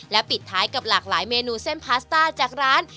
ปิดท้ายกับหลากหลายเมนูเส้นพาสต้าจากร้าน